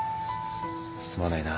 すまないな。